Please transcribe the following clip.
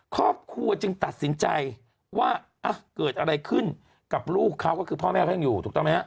ครอบครัวจึงตัดสินใจว่าเกิดอะไรขึ้นกับลูกเขาก็คือพ่อแม่แห้งอยู่